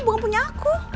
bukan punya aku